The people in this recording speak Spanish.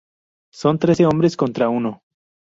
Son trece hombres contra uno.